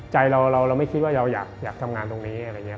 ใจเราเราไม่คิดว่าเราอยากทำงานตรงนี้